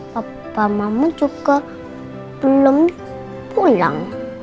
papa mama juga belum pulang